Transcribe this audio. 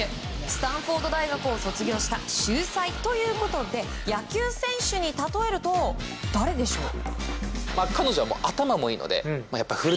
スタンフォード大学を卒業した秀才ということで野球選手に例えると誰でしょう。